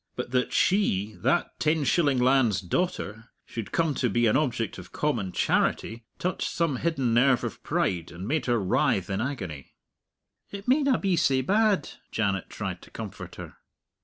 But that she, that Tenshillingland's daughter, should come to be an object of common charity, touched some hidden nerve of pride, and made her writhe in agony. "It mayna be sae bad," Janet tried to comfort her.